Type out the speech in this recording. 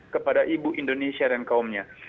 kepada ibu indonesia dan kaumnya